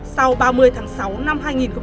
sau ba mươi tháng sáu năm hai nghìn một mươi bảy